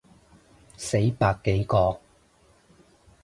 死百幾個